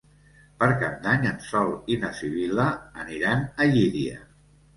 Per Cap d'Any en Sol i na Sibil·la aniran a Llíria.